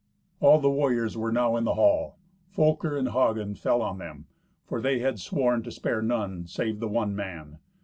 All the warriors were now in the hall. Folker and Hagen fell on them, for they had sworn to spare none save the one man.